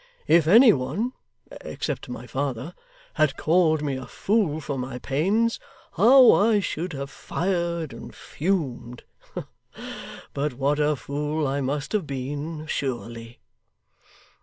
If any one (except my father) had called me a fool for my pains, how I should have fired and fumed! But what a fool I must have been, sure ly!